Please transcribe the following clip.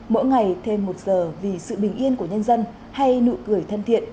mỗi ngày thêm một giờ vì sự bình yên của nhân dân hay nụ cười thân thiện